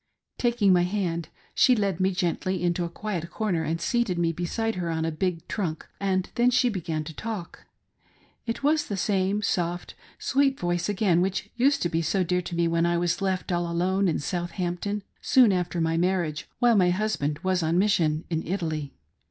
Taking my hand she led me gently into a quiet corner and seated me beside her upon a big trunk, and then she began to talk. It was the same soft sweet voice again, which used to be so dear to me when I was left all alone in Southampton, soon after my marriage, while my husband was on mission in Italy.